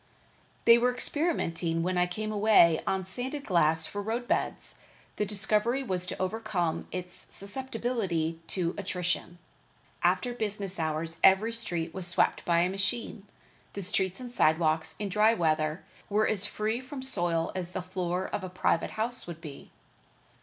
They were experimenting when I came away on sanded glass for road beds. The difficulty was to overcome its susceptibility to attrition. After business hours every street was swept by a machine. The streets and sidewalks, in dry weather, were as free from soil as the floor of a private house would be.